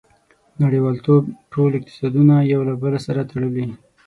• نړیوالتوب ټول اقتصادونه یو له بل سره تړلي.